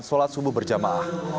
solat subuh berjamaah